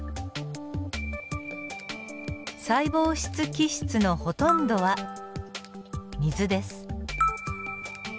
細胞質基質のほとんどは水です。